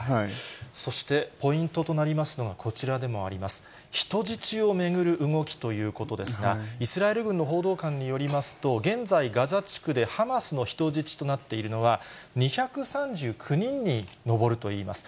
そして、ポイントとなりますのが、こちらでもあります、人質を巡る動きということですが、イスラエル軍の報道官によりますと、現在、ガザ地区でハマスの人質となっているのは２３９人に上るといいます。